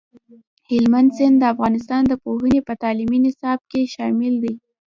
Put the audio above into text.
هلمند سیند د افغانستان د پوهنې په تعلیمي نصاب کې شامل دی.